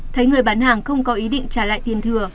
thấy người bán hàng không có ý định trả lại tiền thừa